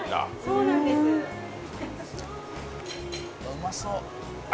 「うまそう」